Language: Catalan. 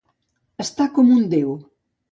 Estar com un Déu.